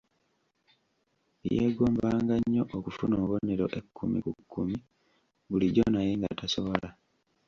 Yeegombanga nnyo okufuna obubonero ekkumi ku kkumi bulijjo naye nga tasobola.